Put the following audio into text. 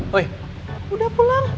woy udah pulang